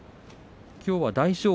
きょうは大翔鵬。